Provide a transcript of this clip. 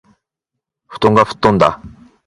布団が吹っ飛んだ。（まじで）